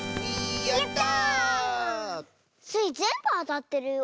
やった！スイぜんぶあたってるよ。